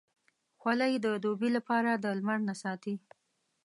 خولۍ د دوبې لپاره د لمر نه ساتي.